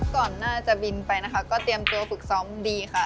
ก่อนหน้าจะบินไปนะคะก็เตรียมตัวฝึกซ้อมดีค่ะ